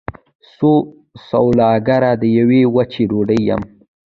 زه سوالګره د یوې وچې ډوډۍ یم